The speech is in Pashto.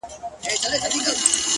• او جارچي به په هغه گړي اعلان كړ,